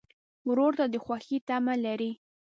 ورور ته د خوښۍ تمه لرې.